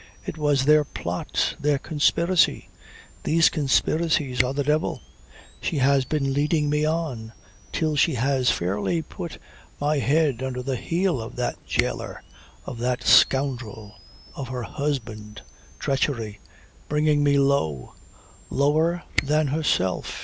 It was their plot, their conspiracy! These conspiracies are the devil. She has been leading me on, till she has fairly put my head under the heel of that jailer, of that scoundrel, of her husband ... Treachery! Bringing me low. Lower than herself.